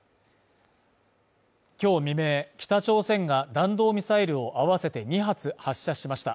今日未明、北朝鮮が弾道ミサイルを合わせて２発発射しました。